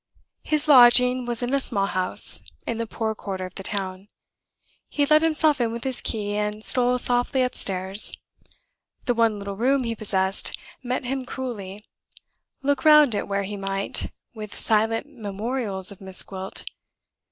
His lodging was in a small house, in the poor quarter of the town. He let himself in with his key, and stole softly upstairs. The one little room he possessed met him cruelly, look round it where he might, with silent memorials of Miss Gwilt.